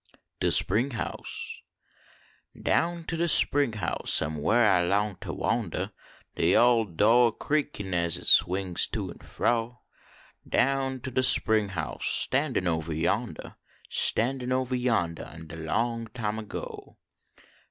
DH SPRING HOUSE Down to de spring house am whar I long to wandah De ole do a creakin as hit swings to en fro, Down to de spring house standin ovah yonclah. Standin ovah vondnh in de long time ago.